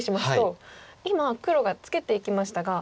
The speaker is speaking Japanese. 今黒がツケていきましたが。